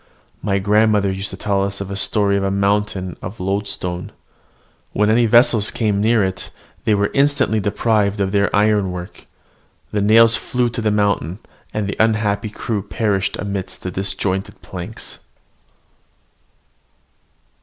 My grandmother used to tell us a story of a mountain of loadstone. When any vessels came near it, they were instantly deprived of their ironwork: the nails flew to the mountain, and the unhappy crew perished amidst the disjointed planks.